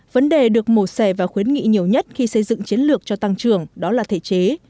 vấn đề được mổ xẻ và khuyến nghị nhiều nhất khi xây dựng chiến lược cho tăng trưởng đó là thể chế